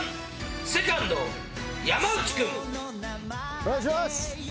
お願いします。